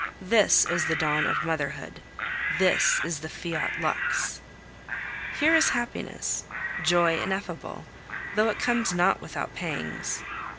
This is the dawn of motherhood, this is the Fiat lux! Here is happiness, joy ineffable, though it comes not without pangs.